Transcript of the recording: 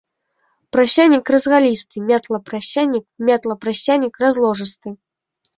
Прасянік разгалісты, мятла, прасянік, мятла, прасянік разложысты.